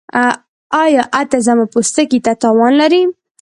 ایا عطر زما پوستکي ته تاوان لري؟